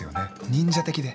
忍者的で。